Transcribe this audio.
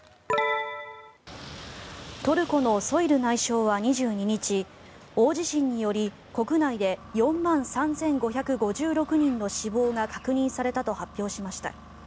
トルコのソイル内相は２２日大地震により国内で４万３５５６人の死亡が確認されたと発表しました。